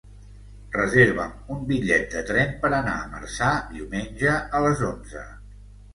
Reserva'm un bitllet de tren per anar a Marçà diumenge a les onze.